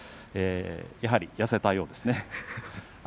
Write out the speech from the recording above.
やはり痩せたようです。